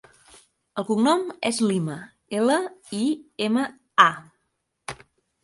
El cognom és Lima: ela, i, ema, a.